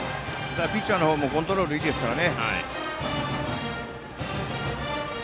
ピッチャーの方もコントロールいいですから。